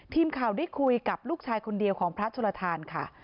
ทีมข่าวได้คุยกับลูกชายคนเดียวของพระชลทานค่ะ